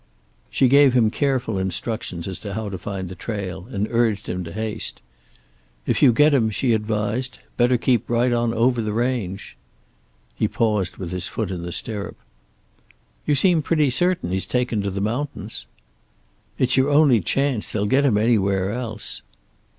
She gave him careful instructions as to how to find the trail, and urged him to haste. "If you get him," she advised, "better keep right on over the range." He paused, with his foot in the stirrup. "You seem pretty certain he's taken to the mountains." "It's your only chance. They'll get him anywhere else."